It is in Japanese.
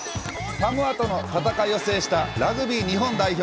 サモアとの戦いを制したラグビー日本代表。